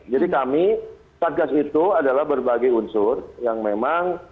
jadi kami satgas itu adalah berbagai unsur yang memang